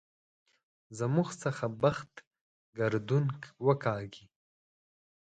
زموږ څخه بخت ګردون وکاږي.